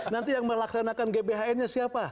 nanti yang melaksanakan gbhn nya siapa